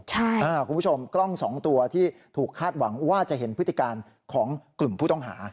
คุณผู้ชมกล้องสองตัวที่ถูกคาดหวังว่าจะเห็นพฤติการของกลุ่มผู้ต้องหา